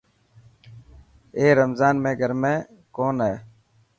اي رمضان ۾ گرمي ڪون هي.